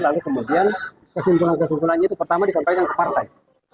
lalu kemudian kesimpulan kesimpulannya itu pertama disampaikan ke partai